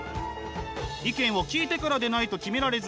意見を聞いてからでないと決められず